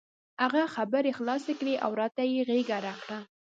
هغه خبرې خلاصې کړې او راته یې غېږه راکړه.